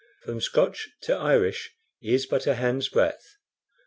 From Scotch to Irish is but a handsbreadth.